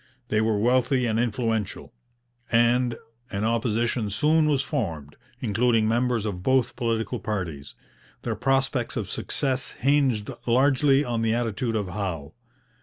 They were wealthy and influential, and an opposition soon was formed, including members of both political parties. Their prospects of success hinged largely on the attitude of Howe.